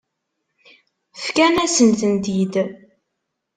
Fkan-asen-tent-id.